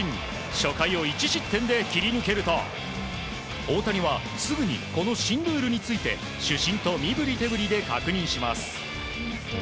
初回を１失点で切り抜けると大谷は、すぐにこの新ルールについて主審と身振り手振りで確認します。